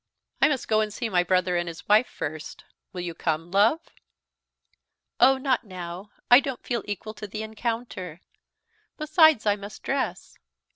"I must go and see my brother and his wife first. Will you come, love?" "Oh, not now; I don't feel equal to the encounter; besides, I must dress.